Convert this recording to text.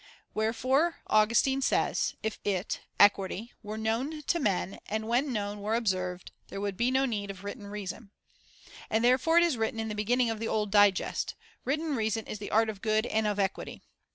Where Authority fore Augustine says :' If it (equity) were known o^ . to men, and when known were observed, there *"*"cers would be no need of written reason.' And therefore it is written in the beginning of the Old Digest :' Written reason is the art of good and of equity.'